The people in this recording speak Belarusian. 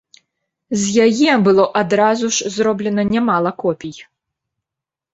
З яе было адразу ж зроблена нямала копій.